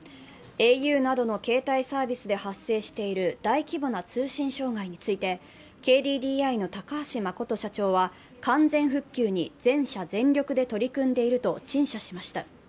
ａｕなどの携帯サービスで発生している大規模な通信障害について、ＫＤＤＩの高橋誠社長は、完全復旧に全者全力で取り組んでいると陳謝しました。